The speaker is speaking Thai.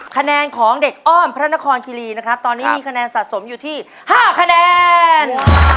คะแนนของเด็กอ้อมพระนครคิรีนะครับตอนนี้มีคะแนนสะสมอยู่ที่๕คะแนน